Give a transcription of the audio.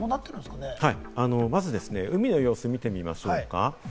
まず海の様子を見てみましょうか。